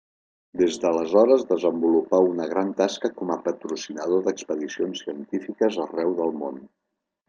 Des d'aleshores desenvolupà una gran tasca com a patrocinador d'expedicions científiques arreu del món.